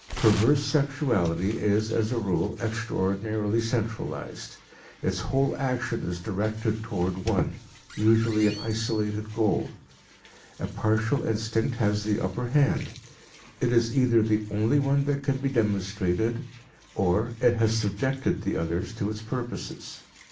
Perverse sexuality is as a rule extraordinarily centralized, its whole action is directed toward one, usually an isolated, goal. A partial instinct has the upper hand. It is either the only one that can be demonstrated or it has subjected the others to its purposes.